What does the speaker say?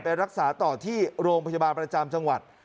ไปรักษาต่อที่โรงพยาบาลประจำจังหวัด